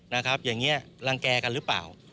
นะครับอย่างนี้รังแก่กันหรือเปล่า